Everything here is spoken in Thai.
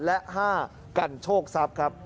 และ๕กันโชคทรัพย์ครับ